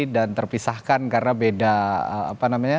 dan terpisahkan karena beda apa namanya